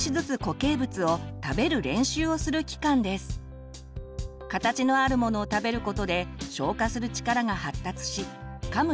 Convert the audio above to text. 形のあるものを食べることで消化する力が発達しかむ